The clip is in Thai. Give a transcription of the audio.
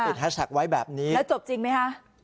แฮชแท็กไว้แบบนี้แล้วจบจริงไหมคะ